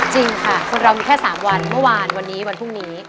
จริงค่ะคนเรามีแค่๓วันเมื่อวานวันนี้วันพรุ่งนี้